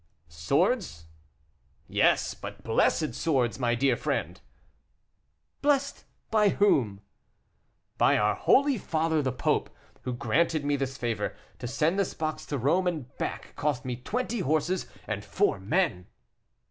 "Swords!" "Yes! but blessed swords, my dear friend." "Blessed! by whom?" "By our holy father the Pope, who granted me this favor. To send this box to Rome and back, cost me twenty horses and four men."